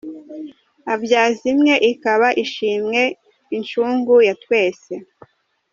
Abyaza imwe ikaba ishimwe, Inshungu ya twese.